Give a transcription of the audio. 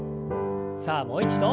さあもう一度。